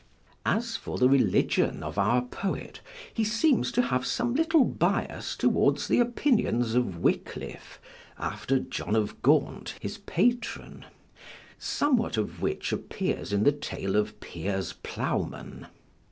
As for the religion of our poet, he seems to have some little bias towards the opinions of Wycliffe, after John of Ghant his patron; somewhat of which appears in the tale of Piers Plowman.